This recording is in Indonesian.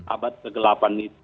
abad kegelapan itu